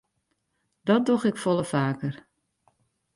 Dat doch ik folle faker.